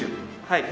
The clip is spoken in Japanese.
はい。